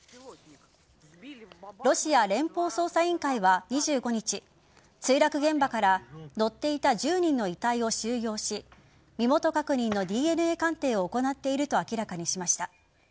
ロシア連邦捜査委員会は２５日墜落現場から乗っていた１０人の遺体を収容し身元確認のＤＮＡ鑑定を行っていると明らかにしました。